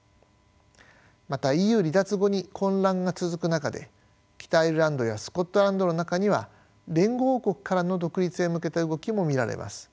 またＥＵ離脱後に混乱が続く中で北アイルランドやスコットランドの中には連合王国からの独立へ向けた動きも見られます。